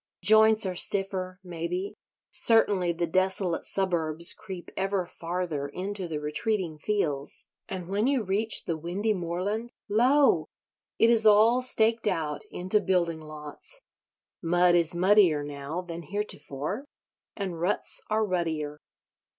Joints are stiffer, maybe; certainly the desolate suburbs creep ever farther into the retreating fields; and when you reach the windy moorland, lo! it is all staked out into building lots. Mud is muddier now than heretofore; and ruts are ruttier.